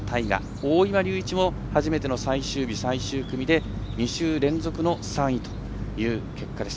大岩龍一も初めての最終日、最終組で２週連続の３位という結果でした。